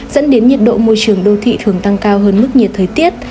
dẫn đến nhiệt độ môi trường đô thị thường tăng cao hơn mức nhiệt thời tiết